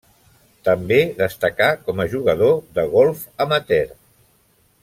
També destacà com a jugador de golf amateur.